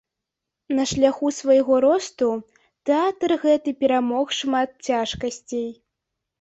На шляху свайго росту тэатр гэты перамог шмат цяжкасцей.